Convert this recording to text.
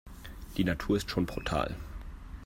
Die Natur ist schon brutal.